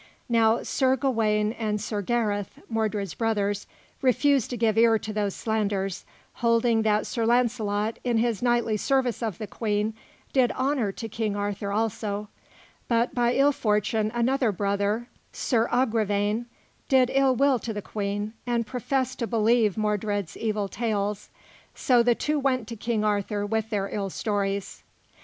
Now Sir Gawain and Sir Gareth, Mordred's brothers, refused to give ear to these slanders, holding that Sir Launcelot, in his knightly service of the Queen, did honour to King Arthur also; but by ill fortune another brother, Sir Agravaine, had ill will to the Queen, and professed to believe Mordred's evil tales. So the two went to King Arthur with their ill stories.